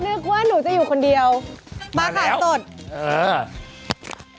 นึกว่าหนูจะอยู่คนเดียวมาขายสดอ่า